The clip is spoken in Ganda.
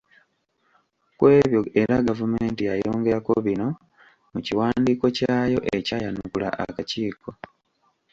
Ku ebyo era gavumenti yayongerako bino mu kiwandiiko kyayo ekyayanukula akakiiko.